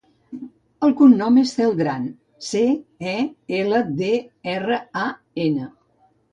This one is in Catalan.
El cognom és Celdran: ce, e, ela, de, erra, a, ena.